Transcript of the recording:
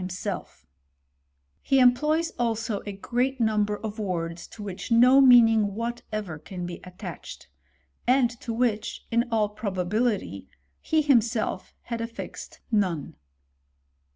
f He employs, also, a great num ber of words to which no meaning whatever can be attached ; and to which, in all probability, he himself had affixed none.